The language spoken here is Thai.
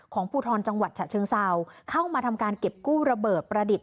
ภูทรจังหวัดฉะเชิงเซาเข้ามาทำการเก็บกู้ระเบิดประดิษฐ